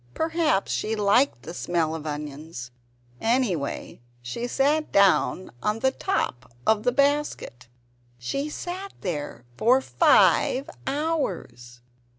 Perhaps she liked the smell of onions! Anyway, she sat down upon the top of the basket. She sat there for FIVE HOURS.